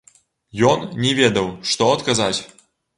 Ён не ведаў, што адказаць.